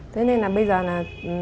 thế nên là bây giờ là